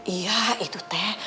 iya itu teh